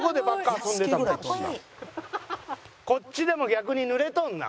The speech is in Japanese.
こっちでも逆に濡れとんな！